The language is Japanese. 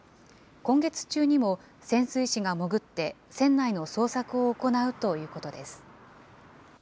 今月中にも、潜水士が潜って船内の捜索を行うということです。